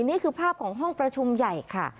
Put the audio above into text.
นี่คือภาพของห้องประชุมใหญ่ค่ะ